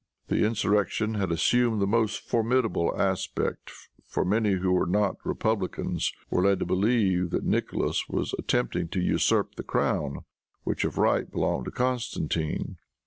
The insurrection had assumed the most formidable aspect, for many who were not republicans, were led to believe that Nicholas was attempting to usurp the crown which, of right, belonged to Constantine.